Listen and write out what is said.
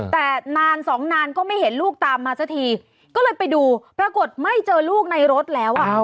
แต่นานสองนานก็ไม่เห็นลูกตามมาสักทีก็เลยไปดูปรากฏไม่เจอลูกในรถแล้วอ่ะ